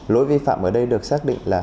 lỗi vi phạm ở đây được xác định bởi chính phủ